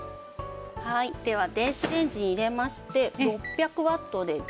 では電子レンジに入れまして６００ワットで１０分。